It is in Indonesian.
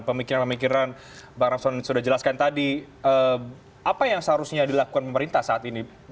pemikiran pemikiran bang rangson sudah jelaskan tadi apa yang seharusnya dilakukan pemerintah saat ini